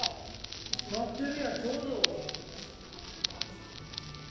なってるやんちょうど。